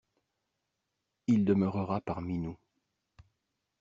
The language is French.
Il demeurera parmi nous.